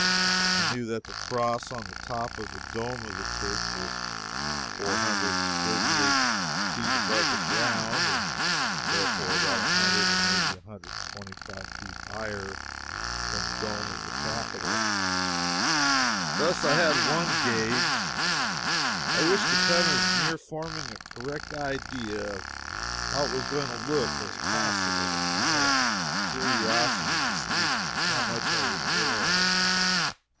I knew that the cross on the top of the dome of the church was four hundred and thirty eight feet above the ground, and therefore about a hundred or may be a hundred and twenty five feet higher than the dome of the capitol. Thus I had one gauge. I wished to come as near forming a correct idea of how it was going to look, as possible; I had a curiosity to see how much I would err.